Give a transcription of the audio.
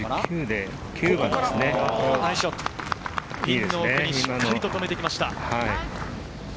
ピンの奥にしっかりと止めてきました。